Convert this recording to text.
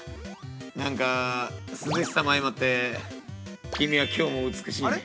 ◆なんか、涼しさも相まって君はきょうも美しいね。